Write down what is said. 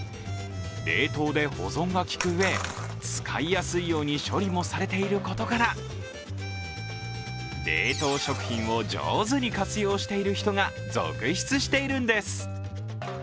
冷凍で保存が利く上、使いやすいように処理もされていることから、冷凍食品を上手に活用している人が続出しているんです。